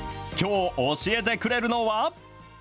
きょう教えてくれるのは？